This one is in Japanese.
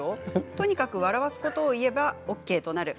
とにかく、笑わすことを言えばＯＫとなる。